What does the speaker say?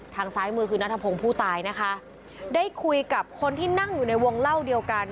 ซ้ายมือคือนัทพงศ์ผู้ตายนะคะได้คุยกับคนที่นั่งอยู่ในวงเล่าเดียวกัน